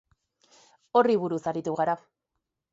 Horri buruz aritu gara.